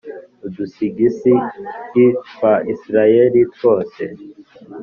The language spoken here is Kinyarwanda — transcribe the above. Udusigisigi twa Israheli twose